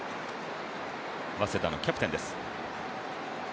早稲田のキャプテンです。